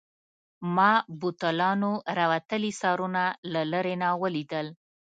ما بوتلانو راوتلي سرونه له لیري نه ولیدل.